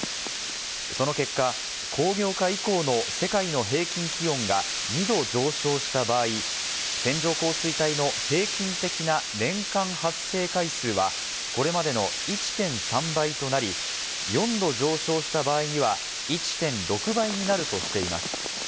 その結果、工業化以降の世界の平均気温が２度上昇した場合、線状降水帯の平均的な年間発生回数はこれまでの１．３倍となり、４度上昇した場合には、１．６倍になるとしています。